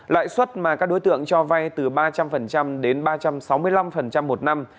lãi suất mà các đối tượng cho vay từ ba trăm linh đến ba trăm sáu mươi năm một năm